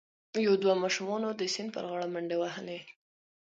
یو دوه ماشومانو د سیند پر غاړه منډې وهلي.